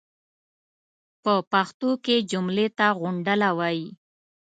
پۀ پښتو کې جملې ته غونډله وایي.